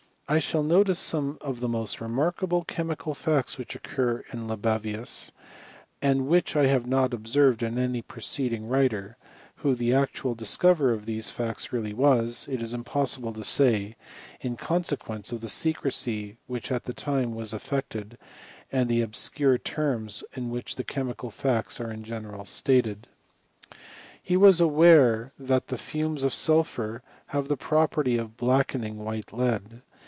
I shall notice some of the most remarkable chemical facts which occur in Libavius, and which I have not observed in any preceding writer ; who the actual discoverer of these facts really was, it is impossible to say, in con sequence of the secrecy which at that time was affect ed, and the obscure terms in which chemical facts are in general stated. He was aware that the fumes of sulphur have the property of blackening white lead.